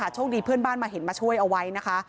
โชคดีเพื่อนบ้านมาเห็นมาช่วยเอาไว้นะคะ